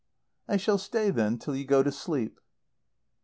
"I shall stay, then, till you go to sleep."